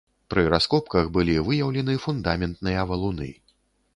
Пры раскопках былі выяўлены фундаментныя валуны.